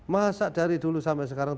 masa dari dulu sampai sekarang